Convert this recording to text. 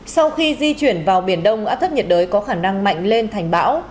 sau khi di chuyển vào biển đông áp thấp nhiệt đới có khả năng mạnh lên thành bão